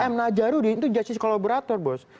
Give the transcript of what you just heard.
m najarudin itu justice kolaborator bos